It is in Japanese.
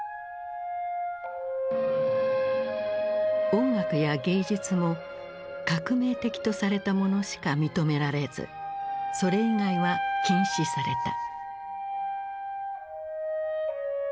音楽や芸術も「革命的」とされたものしか認められずそれ以外は禁止された。